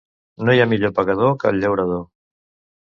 No hi ha millor pagador que el llaurador.